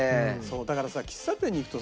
だからさ喫茶店に行くとさ